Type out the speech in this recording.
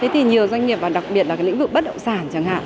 thì nhiều doanh nghiệp và đặc biệt là cái lĩnh vực bất động sản chẳng hạn